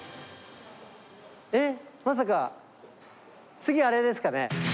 えっ、まさか、次あれですかね。